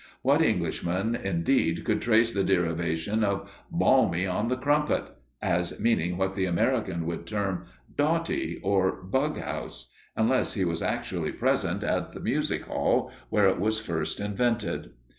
What Englishman, indeed, could trace the derivation of "balmy on the crumpet" as meaning what the American would term "dotty" or "bug house," unless he was actually present at the music hall where it was first invented?